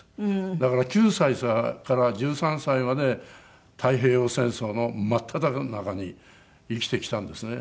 だから９歳から１３歳まで太平洋戦争の真っただ中に生きてきたんですね。